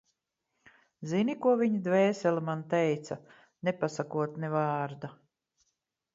Zini, ko viņa dvēsele man teica, nepasakot ne vārda?